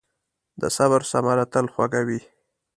د صبر ثمره تل خوږه وي.